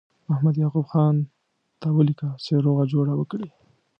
محمد یعقوب خان ته ولیکه چې روغه جوړه وکړي.